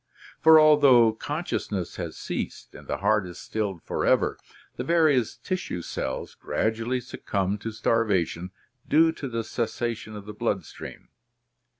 For although consciousness has ceased and the heart is stilled forever, the various tissue cells gradually succumb to starvation due to the cessation of the blood stream.